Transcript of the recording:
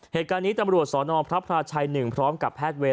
เหตุการณ์นี้ตำรวจสนพระพราชัย๑พร้อมกับแพทย์เวร